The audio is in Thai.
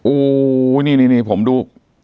โอ้โหนี่ผมดู